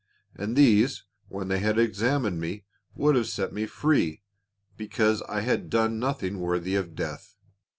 And these when they had examined me would have set me free, because I had done nothing worthy of death.